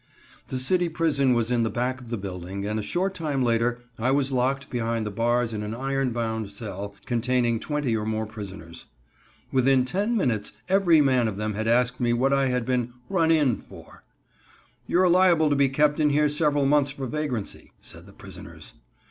The city prison was in the back of the building, and a short time later I was locked behind the bars in an iron bound cell containing twenty or more prisoners. Within ten minutes every man of them had asked me what I had been "run in" for. "You're liable to be kept in here several months for vagrancy," said the prisoners.